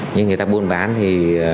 như người ta buôn bán thì